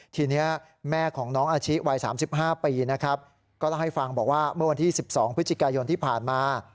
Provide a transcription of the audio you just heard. ทีนี้แม่ของน้องอาชิวัย๓๕ปีนะครับก็เล่าให้ฟังบอกว่าเมื่อวันที่๑๒พฤศจิกายนที่ผ่านมา